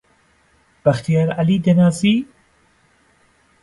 بەختیار عەلی دەناسی؟